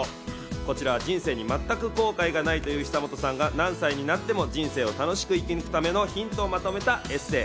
こちらは人生に全く後悔がないという久本さんが何歳になっても人生を楽しく生き抜くためのヒントをまとめたエッセイ。